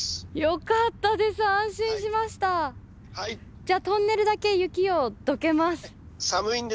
じゃトンネルだけ雪をどけます！